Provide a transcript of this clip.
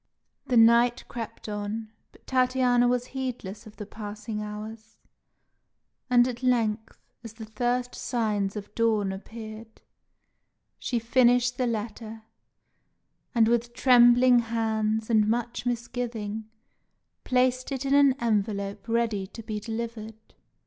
The night crept on, but Tatiana was heedless of the passing hours; and at length, as the first signs of dawn appeared, she finished the letter, and, with trembling hands and much misgiving, placed it in an envelope ready to be delivered.